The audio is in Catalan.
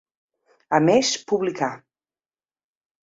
A més publicà.